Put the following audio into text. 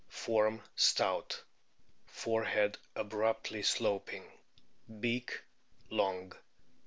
Form stout. Forehead abruptly sloping. Beak long.